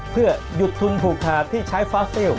เพื่อหยุดทุนผูกขาดที่ใช้ฟอสซิล